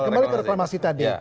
kembali ke reklamasi tadi